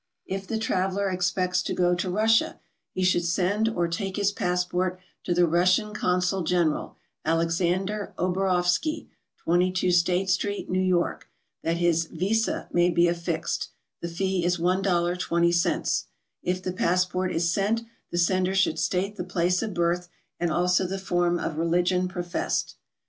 If the traveler expects to go to Russia, should send or take his passport to the Russian Consul General, Alexander Obarovsky, 22 State street. New York, that his "visa" may be affixed; the fee is $1.20. If the passport is sent, the sender should state the place of birth and also the form of religion professed.